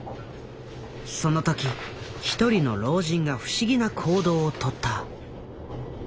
その時一人の老人が不思議な行動をとった。